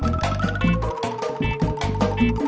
maksud saya bukan itu